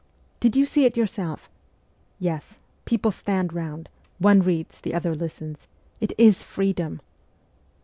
' Did you see it yourself ?' 'Yes. People stand round; one reads, the others listen. It is freedom